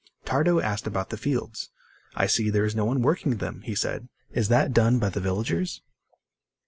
Tardo asked about the fields. "I see there is no one working them," he said. "Is that done by the villagers?"